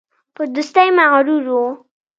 په دوستۍ مغرور وو.